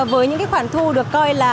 với những cái khoản thu được coi là